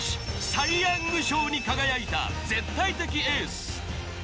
サイ・ヤング賞に輝いた絶対的エース。